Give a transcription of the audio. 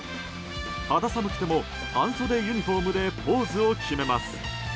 肌寒くても半袖ユニホームでポーズを決めます。